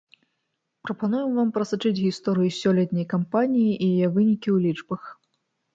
Прапануем вам прасачыць гісторыю сёлетняй кампаніі і яе вынікі ў лічбах.